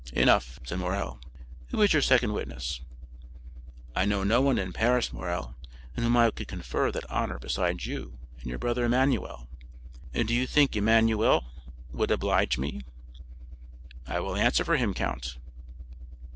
"Enough," said Morrel; "who is your second witness?" "I know no one in Paris, Morrel, on whom I could confer that honor besides you and your brother Emmanuel. Do you think Emmanuel would oblige me?" "I will answer for him, count."